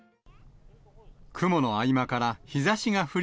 雲の合間から日ざしが降り